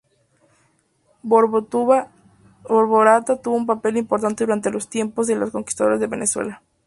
Borburata tuvo un papel importante durante los tiempos de la Conquista de Venezuela.